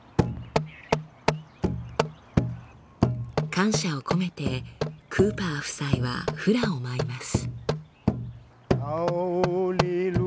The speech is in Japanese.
感謝を込めてクーパー夫妻はフラを舞います。